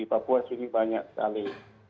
papua sini banyak sekali